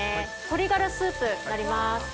鶏ガラスープになります。